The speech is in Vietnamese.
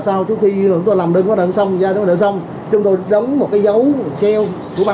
bà con chúng tôi làm đơn gói đợn xong giao đơn gói đợn xong chúng tôi đóng một cái dấu keo của ban